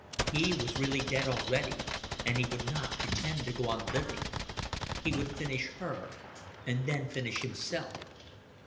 He was really dead already, and he would not pretend to go on living. He would finish her, and then finish himself.